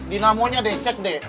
dynamo nya deh cek deh